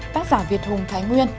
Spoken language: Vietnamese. tác giả việt hùng thái nguyên